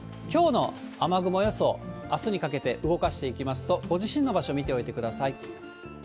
きょうの雨雲予想、あすにかけて動かしていきますと、ご自身の場所見ておいてください。